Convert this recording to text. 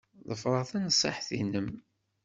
Ḍefreɣ tanṣiḥt-nnem.